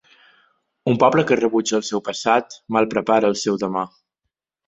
Un poble que rebutja el seu passat, mal prepara el seu demà.